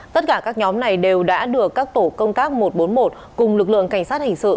tất cả các nhóm này đều đã được các tổ công tác một trăm bốn mươi một cùng lực lượng cảnh sát hình sự